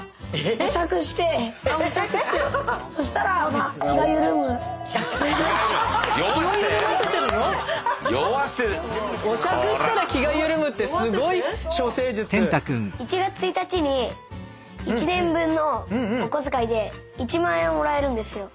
お酌したら気が緩むって１月１日に１年分のお小遣いで１万円をもらえるんですよ。